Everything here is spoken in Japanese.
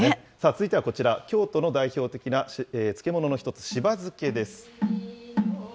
続いてはこちら、京都の代表的な漬物の一つ、しば漬です。